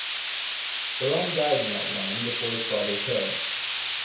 Haran died in that land before his father Terah.